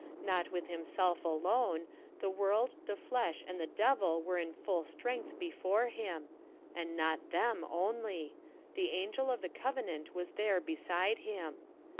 Not with himself alone; the world, the flesh, and the devil were in full strength before him; and not them only the angel of the covenant was there beside him.